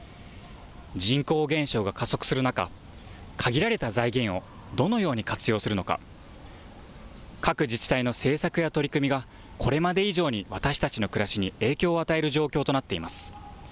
人口減少が加速する中、限られた財源をどのように活用するのか各自治体の政策や取り組みがこれまで以上に私たちの暮らしに影響を与える状況となっています。